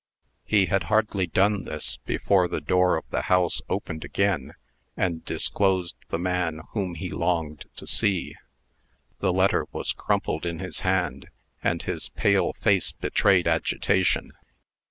He had hardly done this, before the door of the house opened again, and disclosed the man whom he longed to see. The letter was crumpled in his hand, and his pale face betrayed agitation.